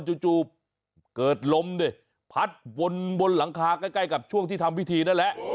จู่จู่เกิดล้มเนี่ยพัดบนบนหลังคาใกล้ใกล้กับช่วงที่ทำพิธีนั่นแหละ